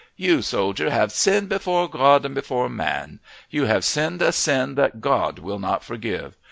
You, soldier, have sinned before God and before man. You have sinned a sin that God will not forgive.